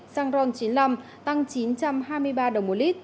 xăng ron chín mươi năm tăng chín trăm hai mươi ba đồng một lít